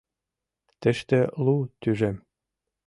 — Тыште лу тӱжем.